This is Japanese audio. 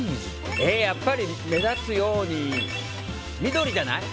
やっぱり目立つように緑じゃない？